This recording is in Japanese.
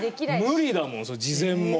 無理だもんそれ事前も。